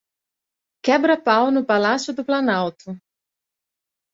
Quebra-pau no Palácio do Planalto